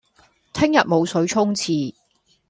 聽日冇水沖廁